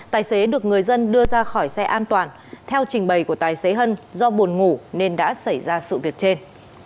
tài xế được người dân đưa ra khỏi xe an toàn theo trình bày của tài xế hân do buồn ngủ nên đã xảy ra sự việc trên